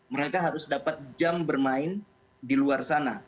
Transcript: mereka harus dapat jam bermain di luar sana